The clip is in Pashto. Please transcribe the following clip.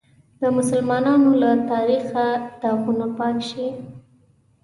د مسلمانانو له تاریخه داغونه پاک شي.